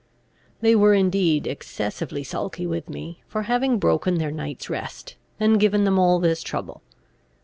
They were indeed excessively sulky with me, for having broken their night's rest, and given them all this trouble.